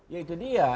ya itu dia